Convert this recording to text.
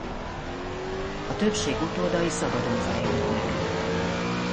A többség utódai szabadon fejlődnek.